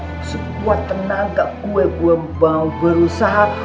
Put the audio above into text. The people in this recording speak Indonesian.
pokoknya sekuat tenaga gue gue mau berusaha